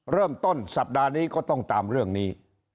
เริ่มต้นสัปดาห์นี้ก็ต้องตามเรื่องนี้